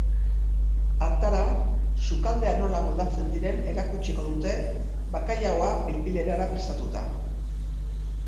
Hartara, sukaldean nola moldatzen diren erakutsiko dute bakailaoa pil-pil erara prestatuta.